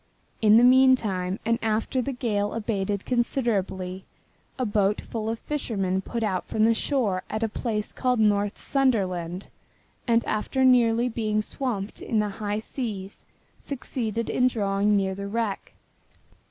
In the meantime, and after the gale had abated considerably, a boat full of fishermen put out from the shore at a place called North Sunderland and after nearly being swamped in the high seas succeeded in drawing near the wreck.